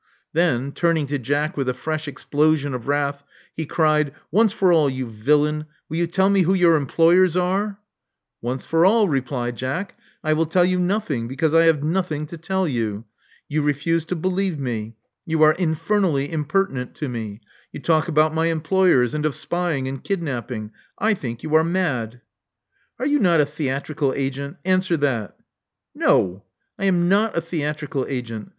Then, turning to Jack with a fresh explosion of wrath, he cried, Once for all, you villain, will you tell me who your employers are?*' Once for all," replied Jack, I will tell you noth ing, because I have nothing to tell you. You refuse to believe me; you are infernally impertinent to me; you talk about my employers and of spying and kidnapping: I think you are mad." Are you not a theatrical agent? Answer that." No. I am not a theatrical agent.